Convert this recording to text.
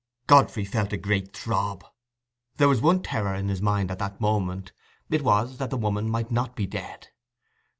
Godfrey felt a great throb: there was one terror in his mind at that moment: it was, that the woman might not be dead.